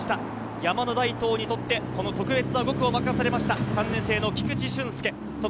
山の大東にとって特別な５区を任されました、３年生の菊地駿介。